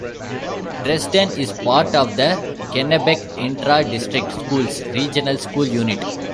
Dresden is part of the Kennebec Intra-District Schools Regional School Unit.